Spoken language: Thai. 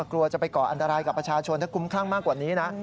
กลัวจะไปก่ออันตรายกับประชาชนถ้าคุ้มคลั่งมากกว่านี้นะ